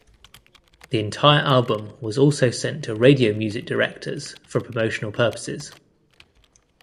The entire album was also sent to radio music directors for promotional purposes.